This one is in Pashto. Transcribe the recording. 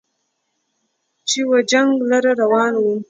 چې و جنګ لره روان و